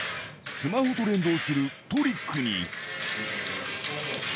スマホと連動するトリックに。